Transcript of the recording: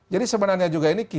jadi sebenarnya juga ini kita